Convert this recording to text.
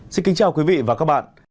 xin kính chào quý vị và các bạn